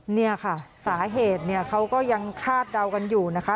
เนี่ยค่ะสาเหตุเนี่ยเขาก็ยังคาดเดากันอยู่นะคะ